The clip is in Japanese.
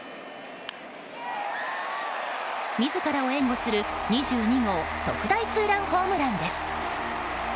自らを援護する、２２号特大ツーランホームランです。